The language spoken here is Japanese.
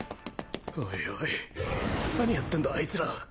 おいおい何やってんだあいつら。